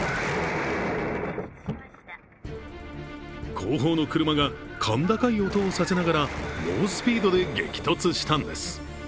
後方の車が、甲高い音をさせながら、猛スピードで激突したんです。